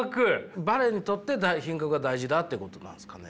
バレエにとって品格が大事だっていうことなんですかね？